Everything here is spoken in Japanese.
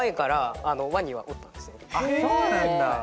あっそうなんだ。